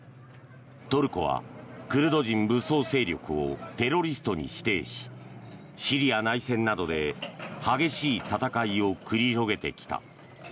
トルコはクルド人武装勢力をテロリストに指定しシリア内戦などで激しい戦いを繰り広げてきた。